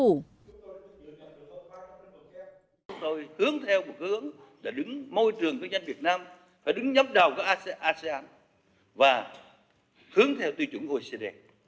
chúng tôi hướng theo một hướng để đứng môi trường của nhân dân việt nam phải đứng nhóm đầu của asean và hướng theo tư chuẩn của oecd